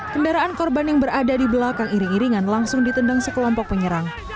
kendaraan korban yang berada di belakang iring iringan langsung ditendang sekelompok penyerang